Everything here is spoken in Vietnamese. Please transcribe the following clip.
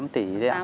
tám tỷ đấy ạ